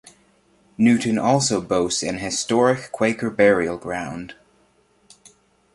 Newton also boasts an historic Quaker burial ground.